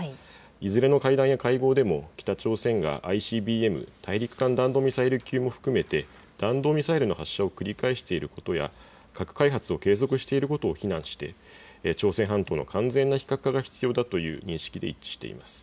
いずれの会談や会合でも北朝鮮がＩＣＢＭ・大陸間弾道ミサイル級も含めて弾道ミサイルの発射を繰り返していることや核開発を継続していることを非難し朝鮮半島の完全な非核化が必要だという認識で一致しています。